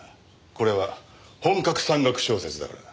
これは本格山岳小説だからな。